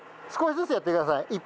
少しずつやってください。